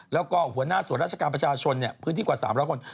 แล้วก็หัวหน้าส่วนราชการประชาชนพื้นที่กว่า๓๐๐คน